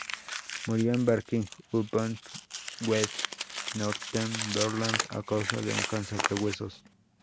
Murió en Berwick-upon-Tweed, Northumberland a causa de un cáncer de huesos.